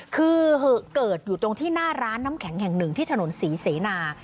คือเกิดอยู่ตรงที่หน้าร้านน้ำแข็งแห่งหนึ่งที่ถนนศรีเสนา